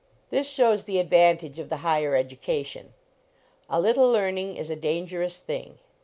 This shows the advantage of the higher education. "A little learning is a dangerous thing."